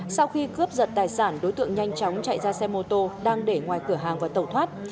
sau khi cướp giật tài sản đối tượng nhanh chóng chạy ra xe mô tô đang để ngoài cửa hàng và tẩu thoát